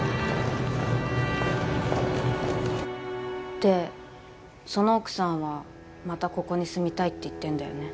でその奥さんはまたここに住みたいって言ってんだよね？